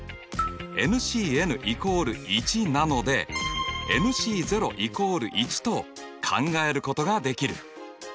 Ｃ＝１なのでＣ＝１と考えることができる。